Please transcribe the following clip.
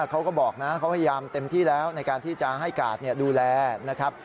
เขาก็บอกนะเขาพยายามเต็มที่แล้วในการที่จะให้กาดดูแลนะครับ